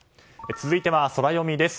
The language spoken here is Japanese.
続いてはソラよみです。